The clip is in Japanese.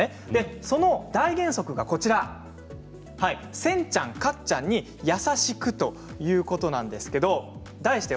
その大原則がセンちゃん、カッちゃんに優しくということなんです。